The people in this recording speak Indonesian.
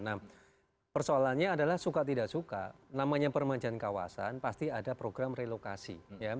nah persoalannya adalah suka tidak suka namanya permajaan kawasan pasti ada program relokasi